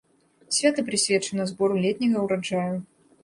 Свята прысвечана збору летняга ўраджаю.